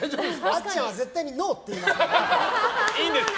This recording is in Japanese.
あっちゃんは絶対にノーと言いますから。